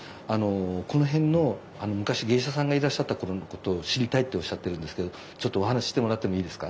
この辺の昔芸者さんがいらっしゃった頃のことを知りたいっておっしゃってるんですけどちょっとお話ししてもらってもいいですか？